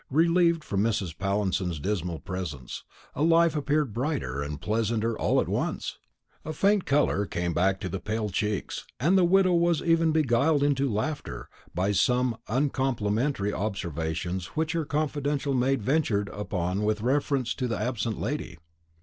Relieved from Mrs. Pallinson's dismal presence, life appeared brighter and pleasanter all at once; a faint colour came back to the pale cheeks, and the widow was even beguiled into laughter by some uncomplimentary observations which her confidential maid ventured upon with reference to the absent lady.